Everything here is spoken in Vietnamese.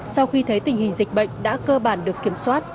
sau khi thấy tình hình dịch bệnh đã cơ bản được kiểm soát